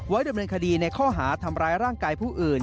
ดำเนินคดีในข้อหาทำร้ายร่างกายผู้อื่น